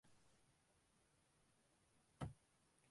ஓய்வு நேரத்திலே குழந்தைகளுக்குரிய கல்வியைக் கற்பிப்பார்.